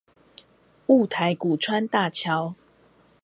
霧台谷川大橋